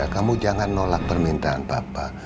kamu jangan nolak permintaan papa